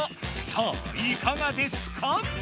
さあいかがですか？